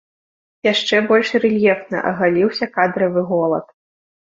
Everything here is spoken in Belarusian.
Яшчэ больш рэльефна агаліўся кадравы голад.